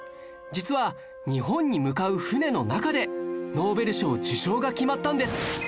実は日本に向かう船の中でノーベル賞受賞が決まったんです